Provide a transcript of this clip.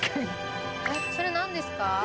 それ何ですか？